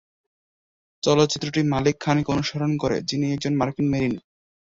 চলচ্চিত্রটি মালিক খানকে অনুসরণ করে, যিনি একজন মার্কিন মেরিন।